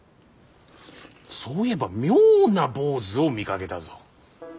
そういえば妙な坊主を見かけたぞ。